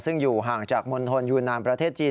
ซึ่งอยู่ห่างจากมณฑลยูนานประเทศจีน